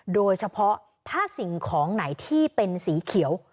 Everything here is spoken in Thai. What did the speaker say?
โดยเฉพาะถ้าสิ่งของไหนที่เป็นสีเขียว